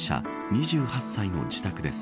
２８歳の自宅です。